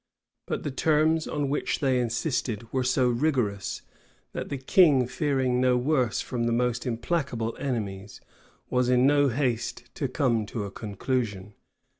But the terms on which they insisted were so rigorous, that the king, fearing no worse from the most implacable enemies, was in no haste to come to a conclusion.